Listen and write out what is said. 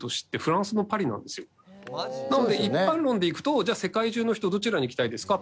なので一般論でいくとじゃあ世界中の人どちらに行きたいですか？